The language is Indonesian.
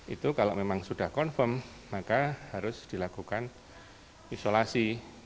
itu kalau memang sudah confirm maka harus dilakukan isolasi